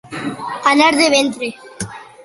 Anar de ventre.